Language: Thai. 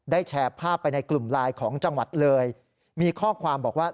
แชร์ภาพไปในกลุ่มไลน์ของจังหวัดเลยมีข้อความบอกว่า